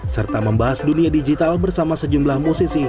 serta membahas dunia digital bersama sejumlah musisi